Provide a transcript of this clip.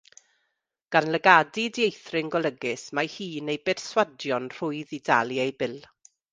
Gan lygadu dieithryn golygus, mae hi'n ei berswadio'n rhwydd i dalu ei bil.